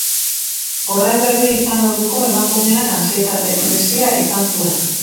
Horren berri izan orduko, emakumeak antsietate krisia izan zuen.